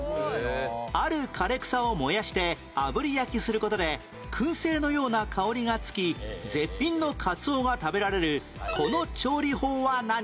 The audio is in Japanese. ある枯れ草を燃やして炙り焼きする事で薫製のような香りが付き絶品のカツオが食べられるこの調理法は何？